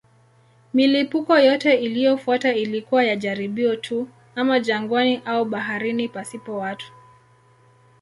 Milipuko yote iliyofuata ilikuwa ya jaribio tu, ama jangwani au baharini pasipo watu.